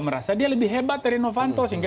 merasa dia lebih hebat dari novanto sehingga